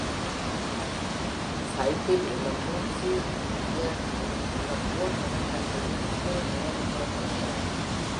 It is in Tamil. ஃபைஃப்பில் உள்ள மூன்ஸி கிர்கியார்டில் உள்ள போர் நினைவிடத்தில் பின்லே நினைவுகூரப்படுகிறார்.